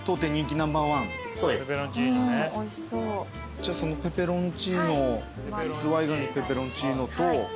じゃあそのペペロンチーノズワイガニペペロンチーノと。